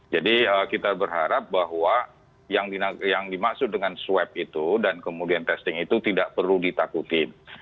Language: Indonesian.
jadi kita berharap bahwa yang dimaksud dengan swep itu dan kemudian testing itu tidak perlu ditakutin